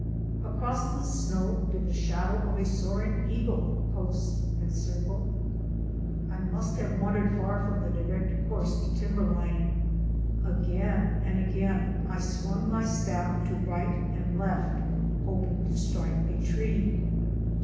Across the snow did the shadow of a soaring eagle coast and circle? I must have wandered far from the direct course to timberline. Again and again I swung my staff to right and left hoping to strike a tree.